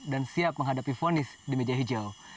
dan siap menghadapi vonis di meja hijau